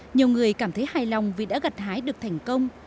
nhiều người cảm thấy hài lòng vì đã gặt hái được thành công